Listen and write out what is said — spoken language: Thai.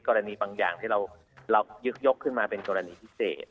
บางอย่างที่เรายึกยกขึ้นมาเป็นกรณีพิเศษ